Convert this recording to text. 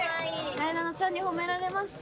なえなのちゃんに褒められました。